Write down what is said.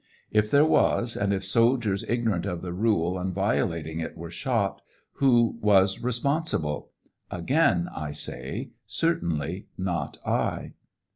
If there was, and if soldiers ignorant of the rule and violating it were shot, who was responsible 1 Again, I say, certainly not I.